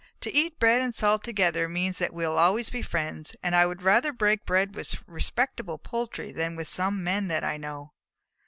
"To eat bread and salt together means that we will always be friends, and I would rather break bread with respectable poultry than with some Men that I know."